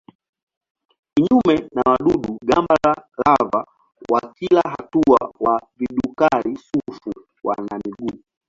Kinyume na wadudu-gamba lava wa kila hatua wa vidukari-sufu wana miguu.